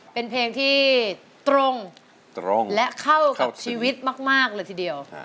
เป็นเพลงที่ตรงและเข้ากับชีวิตมากเลยทีเดียว